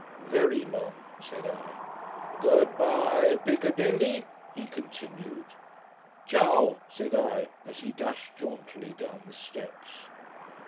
"Very long," said I. "Good bye Piccadilly " he continued. "Ciao," said I, as he dashed jauntily down the steps.